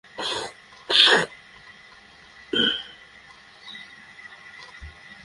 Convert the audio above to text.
ব্যাটাকে শায়েস্তা করতে চাইলে গা ঝাড়া দিয়ে নেমে পড়ো!